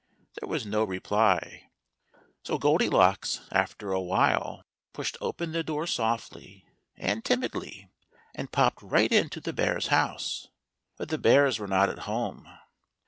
There was no reply, so Goldilocks, after a while, pushed open the door softly and timidly, and popped right into the bears' house. But the bears were not at home.